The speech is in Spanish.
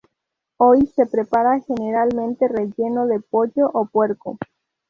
Hoy se prepara generalmente relleno de pollo o puerco.